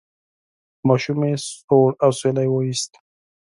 ماشومې سوړ اسویلی وایست: